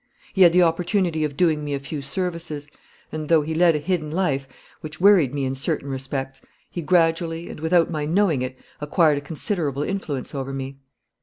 He had the opportunity of doing me a few services; and, though he led a hidden life, which worried me in certain respects, he gradually and without my knowing it acquired a considerable influence over me.